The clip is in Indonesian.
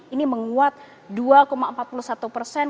ini menguat dua empat puluh satu persen